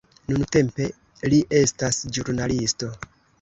Nuntempe li estas ĵurnalisto.